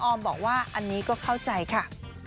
ออมบอกว่าอันนี้ก็เข้าใจค่ะ